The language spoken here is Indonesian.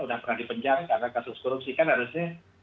udah pernah di penjara karena kasus korupsi kan harusnya